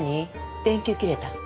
電球切れた？